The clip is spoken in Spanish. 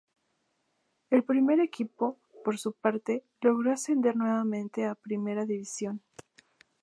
El primer equipo, por su parte, logró ascender nuevamente a Primera división.